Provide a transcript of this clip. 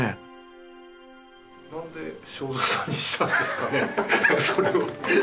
なんで正蔵さんにしたんですかね？